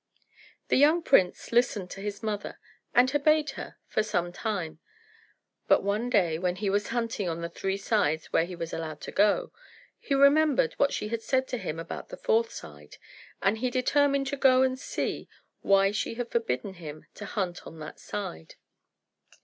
The young prince listened to his mother, and obeyed her for some time; but one day, when he was hunting on the three sides where he was allowed to go, he remembered what she had said to him about the fourth side, and he determined to go and see why she had forbidden him to hunt on that side.